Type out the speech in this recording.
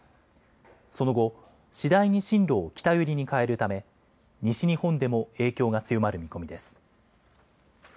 その後、次第に進路を北寄りに変えるため西日本でも影響が強まる見込みです。